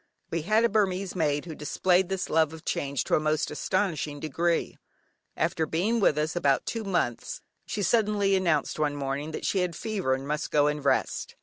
We had a Burmese maid who displayed this love of change to a most astonishing degree. After being with us about two months she suddenly announced one morning that she had fever and must go and rest.